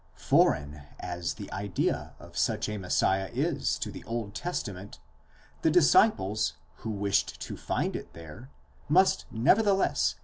Foreign as the idea of such a Messiah is to the Old Testament, the disciples, who wished to find it there, must nevertheless.